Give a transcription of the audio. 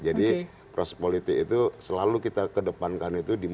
jadi proses politik itu selalu kita kedepankan itu di dalam